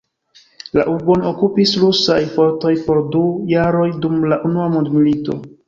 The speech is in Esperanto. La urbon okupis rusaj fortoj por du jaroj dum la unua mondmilito.